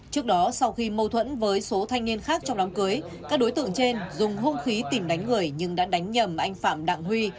trước đó sau khi mâu thuẫn với số thanh niên khác trong đám cưới các đối tượng trên dùng hôn khí tìm đánh người nhưng đã đánh nhầm anh phạm đặng huy